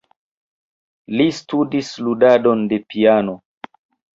Li ŝtudis ludadon de piano.